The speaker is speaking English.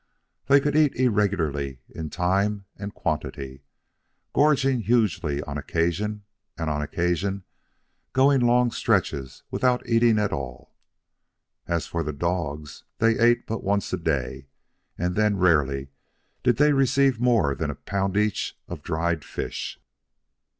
They could eat irregularly in time and quantity, gorging hugely on occasion, and on occasion going long stretches without eating at all. As for the dogs, they ate but once a day, and then rarely did they receive more than a pound each of dried fish.